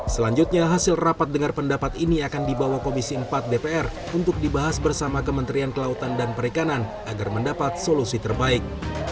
selanjutnya hasil rapat dengar pendapat ini akan dibawa komisi empat dpr untuk dibahas bersama kementerian kelautan dan perikanan agar mendapat solusi terbaik